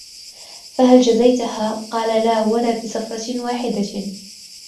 فَهَلْ جَزَيْتهَا ؟ قَالَ لَا وَلَا بِزَفْرَةٍ وَاحِدَةٍ